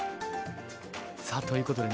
さあということでね